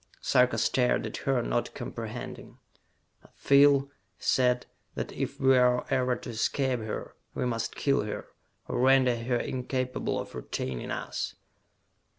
Sarka stared at her, not comprehending. "I feel," he said, "that if we are ever to escape her, we must kill her, or render her incapable of retaining us!"